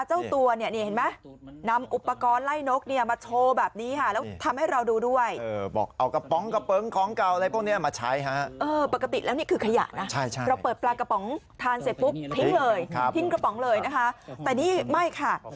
เจ้าตัวนี่เห็นไหมนำอุปกรณ์ไล่นกมาโชว์แบบนี้ค่ะ